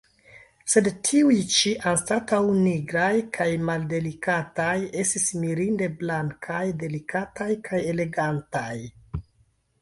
Sed tiuj ĉi, anstataŭ nigraj kaj maldelikataj, estis mirinde blankaj, delikataj kaj elegantaj.